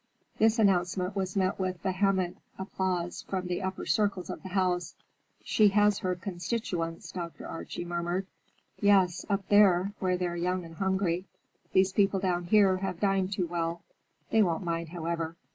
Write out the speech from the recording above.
This announcement was met with vehement applause from the upper circles of the house. "She has her—constituents," Dr. Archie murmured. "Yes, up there, where they're young and hungry. These people down here have dined too well. They won't mind, however.